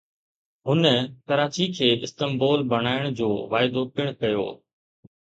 هن ڪراچي کي استنبول بنائڻ جو واعدو به ڪيو